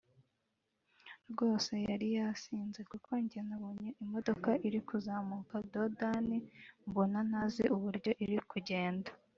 “Rwose yari yasinze kuko njye nabonye imodoka iri kuzamuka dodani mbona ntazi uburyo iri kugenda